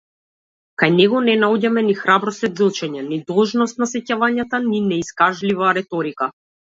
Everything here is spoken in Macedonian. Кај него не наоѓаме ни храбро сведочење, ни должност на сеќавањата, ни неискажлива реторика.